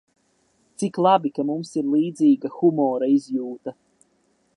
Cik labi, ka mums ir līdzīga humora izjūta.